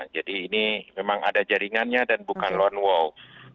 jadi ini memang ada jaringannya dan bukan lone wolf